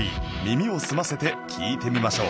耳を澄ませて聴いてみましょう